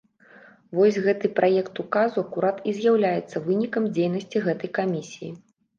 Вось гэты праект указу акурат і з'яўляецца вынікам дзейнасці гэтай камісіі.